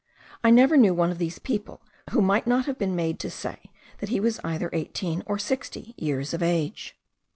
I never knew one of these people who might not have been made to say that he was either eighteen or sixty years of age.